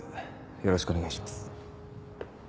よろしくお願いします。